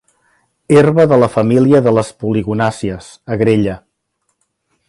Herba de la família de les poligonàcies, agrella.